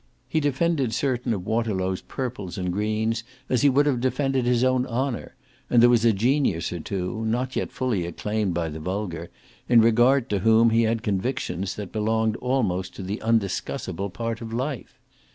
He defended certain of Waterlow's purples and greens as he would have defended his own honour, and there was a genius or two, not yet fully acclaimed by the vulgar, in regard to whom he had convictions that belonged almost to the undiscussable part of life.